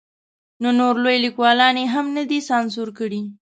نو نور لوی لیکوالان یې هم نه دي سانسور کړي.